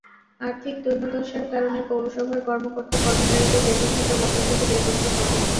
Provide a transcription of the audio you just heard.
আর্থিক দৈন্যদশার কারণে পৌরসভার কর্মকর্তা-কর্মচারীদের বেতন-ভাতা বকেয়া থাকে দেড় বছর পর্যন্ত।